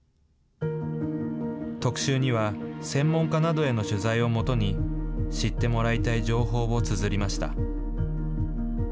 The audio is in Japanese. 特集には専門家などへの取材を基に、知ってもらいたい情報をつづりました。